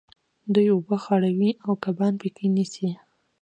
دوی اوبه خړوي او کبان په کې نیسي.